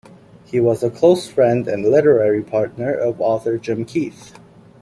He was a close friend and literary partner of author Jim Keith.